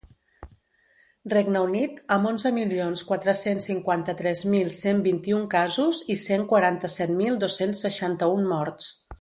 Regne Unit, amb onze milions quatre-cents cinquanta-tres mil cent vint-i-un casos i cent quaranta-set mil dos-cents seixanta-un morts.